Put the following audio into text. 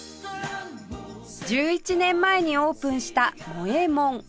１１年前にオープンした茂右衛門